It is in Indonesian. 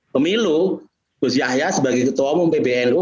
pemilu gus yahya sebagai ketua umum pbnu